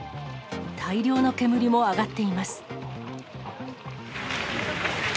大量の煙も上がっています。